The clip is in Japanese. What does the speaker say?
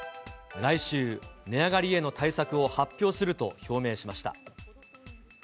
来週、値上がりへの対策を発表すると表明しました。